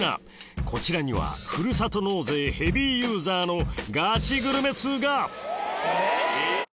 こちらにはふるさと納税ヘビーユーザーのガチグルメ通が！